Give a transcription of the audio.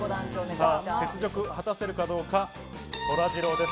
雪辱を果たせるかどうか、そらジローです。